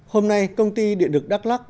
hôm nay công ty điện lực đắk lắc